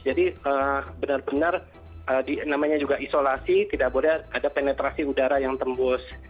jadi benar benar namanya juga isolasi tidak boleh ada penetrasi udara yang tembus